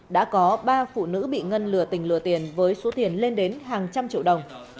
đã có ba phụ nữ bị ngân lừa tỉnh lừa tiền với số tiền lên đến hàng trăm triệu đồng